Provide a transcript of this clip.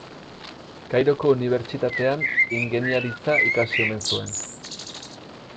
Kairoko unibertsitatean ingeniaritza ikasi omen zuen.